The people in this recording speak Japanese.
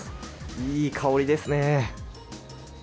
いい香りですね。